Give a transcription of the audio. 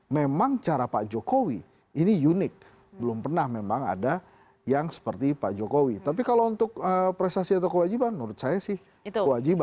memang cara pak jokowi ini unik belum pernah memang ada yang seperti pak jokowi tapi kalau untuk prestasi atau kewajiban menurut saya sih kewajiban